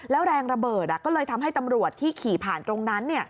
แล้วแรงระเบิดก็เลยทำให้ตำรวจที่ขี่ผ่านตรงนั้น